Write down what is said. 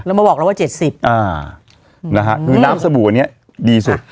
แล้วมาบอกเราว่า๗๐จนถึงน้ำสบู่อันนี้ดีสุด